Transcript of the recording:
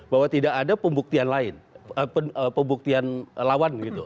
bahwa tidak ada pembuktian lain pembuktian lawan gitu